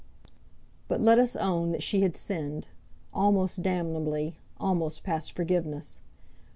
But let us own that she had sinned, almost damnably, almost past forgiveness.